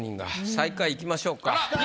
最下位いきましょうか。